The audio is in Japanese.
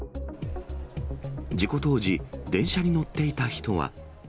事故当時、電車に乗っていた人は。